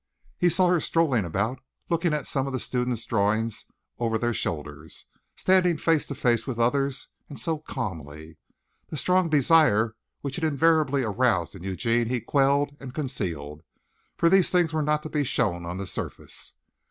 He saw her strolling about looking at some of the students' drawings of her over their shoulders, standing face to face with others and so calmly. The strong desire which it invariably aroused in Eugene he quelled and concealed, for these things were not to be shown on the surface.